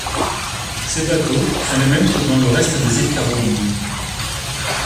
Ces bateaux sont les mêmes que dans le reste des îles Carolines.